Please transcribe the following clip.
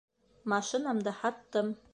Машинамды һаттым.